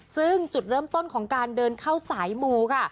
ซึ่งจุดเริ่มต้นของการเดินเข้าสายมูค่ะ